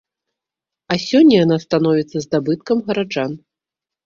А сёння яна становіцца здабыткам гараджан.